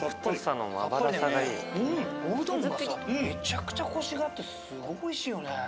めちゃくちゃコシがあってすごくおいしいよね。